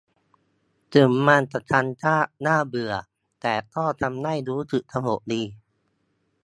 ถึงมันจะซ้ำซากน่าเบื่อแต่ก็ทำให้รู้สึกสงบดี